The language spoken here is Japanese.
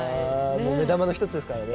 目玉の１つですからね。